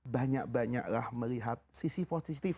banyak banyaklah melihat sisi positif